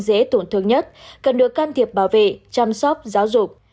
dễ tổn thương nhất cần được can thiệp bảo vệ chăm sóc giáo dục